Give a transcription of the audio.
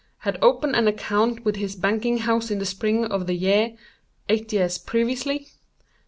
Had opened an account with his banking house in the spring of the year—(eight years previously).